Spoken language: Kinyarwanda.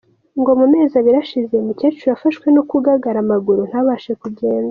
Ngo mu mezi abiri ashize, uyu mukecuru yafashwe no kugagara amaguru ntabashe kugenda.